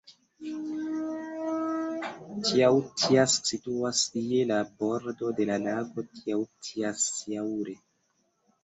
Tjautjas situas je la bordo de la lago Tjautjasjaure.